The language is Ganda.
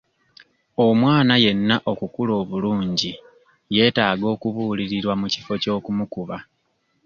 Omwana yenna okukula obulungi yeetaaga okubuulirirwa mu kifo ky'okumukuba.